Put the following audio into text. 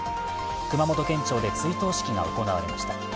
熊本県庁で追悼式が行われました。